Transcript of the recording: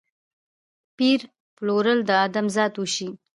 پېر پلور د ادم ذات وشي